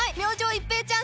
一平ちゃーん！